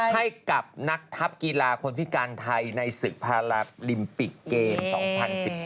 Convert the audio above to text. ให้กับนักทัพกีฬาคนพิการไทยในศึกพาราลิมปิกเกม๒๐๑๙